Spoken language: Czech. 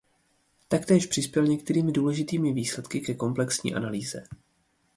Taktéž přispěl některými důležitými výsledky ke komplexní analýze.